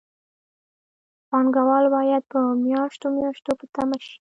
پانګوال باید په میاشتو میاشتو په تمه شي